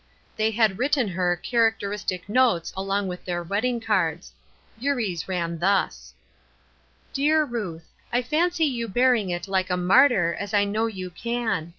They had written her characteristic notes along with their wedding cards. Eurie's ran thus :" Dear Ruth — I fancy you bearing it like a martyr, as I know you can.